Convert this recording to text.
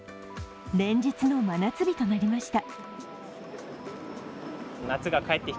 連日の真夏日となりました。